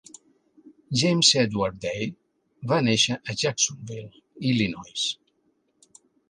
James Edward Day va néixer a Jacksonville, Illinois.